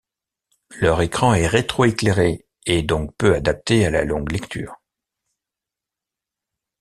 Leur écran est rétro-éclairé et donc peu adapté à la longue lecture.